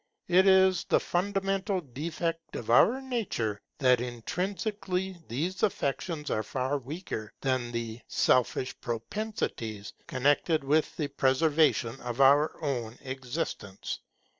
It is the fundamental defect of our nature, that intrinsically these affections are far weaker than the selfish propensities connected with the preservation of our own existence.